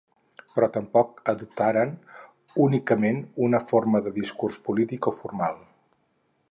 Però tampoc adoptaren únicament una forma de discurs polític o formal.